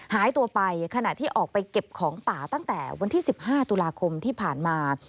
หายตัวไปขณะที่ออกไปเก็บของป่าตั้งแต่วันที่๑๕ตุลาคมที่ผ่านมา